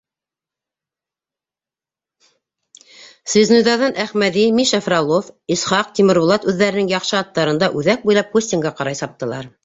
Связнойҙарҙан Әхмәҙи, Миша Фролов, Исхаҡ, Тимербулат үҙҙәренең яҡшы аттарында үҙәк буйлап Кустинға ҡарай саптылар.